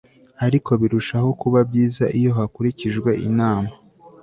ariko birushaho kuba byiza iyo hakurikijwe inama